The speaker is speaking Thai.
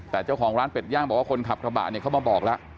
แต่เจ้าของร้านเป็ดย่างบอกว่าคนขับกระบะเนี่ยเขามาบอกแล้ว